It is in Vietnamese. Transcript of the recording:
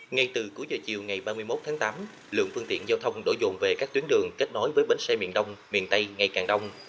ngay từ cuối giờ chiều ngày ba mươi một tháng tám lượng phương tiện giao thông đổ dồn về các tuyến đường kết nối với bến xe miền đông miền tây ngày càng đông